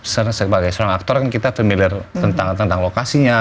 karena sebagai seorang aktor kan kita familiar tentang lokasinya